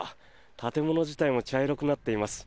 建物自体も茶色くなっています。